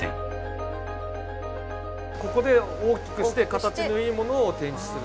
ここで大きくして形のいいものを展示すると。